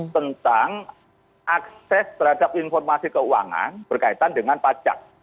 tentang akses terhadap informasi keuangan berkaitan dengan pajak